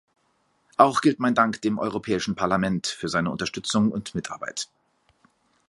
Auch gilt mein Dank dem Europäischen Parlament für seine Unterstützung und Mitarbeit.